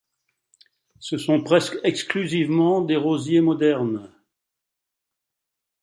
Ce sont presque exclusivement des rosiers modernes.